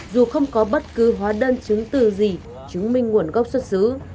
dù không có bất cứ hóa đơn chứng từ gì chứng minh nguồn gốc xuất xứ